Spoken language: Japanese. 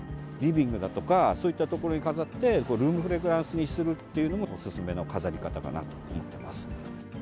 リビングだとかそういったところに飾ってルームフレグランスにするのがおすすめの飾り方だなと思ってます。